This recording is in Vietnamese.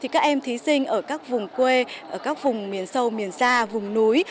các em thí sinh ở các vùng quê ở các vùng miền sâu miền xa vùng núi